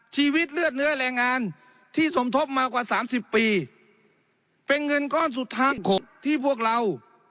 ชีวิตเลือดเนื้อแรงงานที่สมทบมากว่าสามสิบปีเป็นเงินก้อนสุดท้ายที่พวกเรา